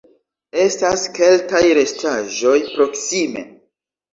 Estas keltaj restaĵoj proksime.